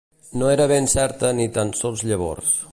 No era ben certa ni tan sols llavors